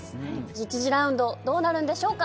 １次ラウンドどうなるんでしょうか